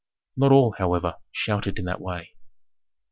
Not all, however, shouted in that way.